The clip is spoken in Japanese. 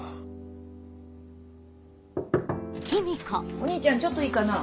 お兄ちゃんちょっといいかな？